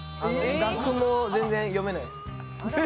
楽譜も全然読めないです。